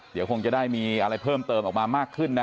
เดี๋ยวคงจะได้มีอะไรเพิ่มเติมออกมามากขึ้นนะ